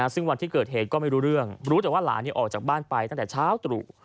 ซึ่งวันที่เกิดเหตุก็ไม่รู้เรื่องรู้แต่ว่าหลานออกจากบ้านไปตั้งแต่เช้าตรู่